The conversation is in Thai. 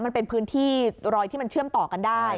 มันเป็นพื้นที่รอยที่มันเชื่อมต่อกันได้